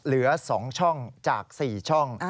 เหลือ๒ช่องจาก๔ช่อง